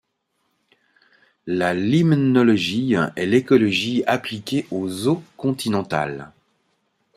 La limnologie est l'écologie appliquée aux eaux continentales.